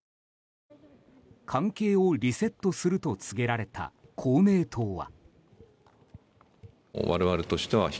関係をリセットすると告げられた公明党は。